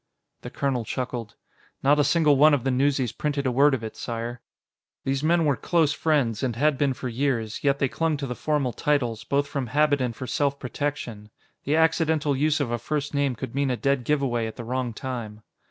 The colonel chuckled. "Not a single one of the newsies printed a word of it, Sire." These men were close friends, and had been for years, yet they clung to the formal titles, both from habit and for self protection. The accidental use of a first name could mean a dead giveaway at the wrong time.